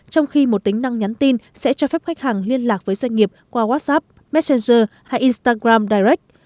trong khi một tính năng nhắn tin sẽ cho phép khách hàng liên lạc với doanh nghiệp qua whatsapp messenger hay instagram direct